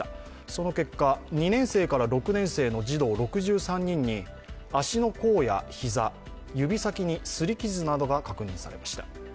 その結果、２年生から６年生の児童、６３人に足の甲や膝、指先にすり傷などが確認されました。